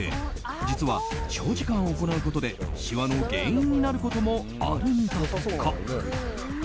実は、長時間行うことでしわの原因になることもあるんだとか。